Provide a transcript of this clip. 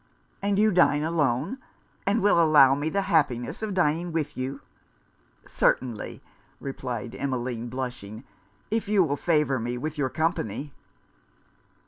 'And you dine alone, and will allow me the happiness of dining with you?' 'Certainly,' replied Emmeline, blushing, 'if you will favour me with your company.'